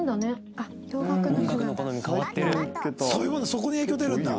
そこに影響出るんだ。